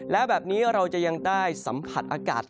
แล้วแบบนี้เราจะยังได้สัมผัสอากาศ